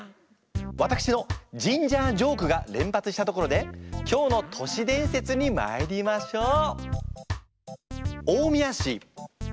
わたくしのジンジャージョークが連発したところで今日の年伝説にまいりましょう。